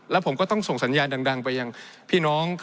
แล้วผมก็ต้องส่งสัญญาณดังไป